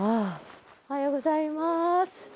おはようございます。